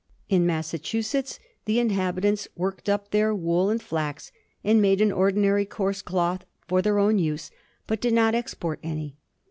In Massachusetts * the inhabit ants worked up their wool and flax, and made an ordinary coarse cloth for their own use, but did not export any.'